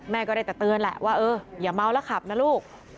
ก็ได้แต่เตือนแหละว่าเอออย่าเมาแล้วขับนะลูก